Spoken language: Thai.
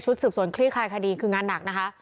สืบสวนคลี่คลายคดีคืองานหนักนะคะ